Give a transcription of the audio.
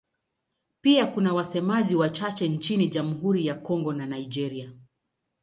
Pia kuna wasemaji wachache nchini Jamhuri ya Kongo na Nigeria.